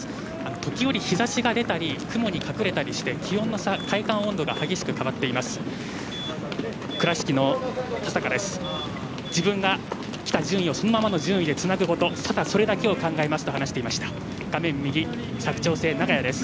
時折、日ざしが出たり雲に隠れたりして気温の差、体感温度が激しく変わっています。